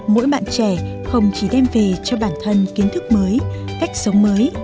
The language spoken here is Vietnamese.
mỗi bạn trẻ không chỉ đem về cho bản thân kiến thức mới cách sống mới